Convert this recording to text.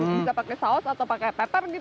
bisa pakai saus atau pakai pepper gitu